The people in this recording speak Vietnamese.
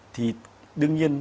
thì đương nhiên